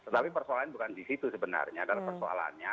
tapi persoalan bukan disitu sebenarnya